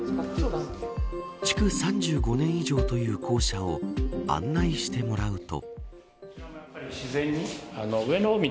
築３５年以上という校舎を案内してもらうと。